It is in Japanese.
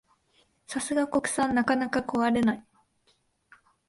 さすが国産、なかなか壊れない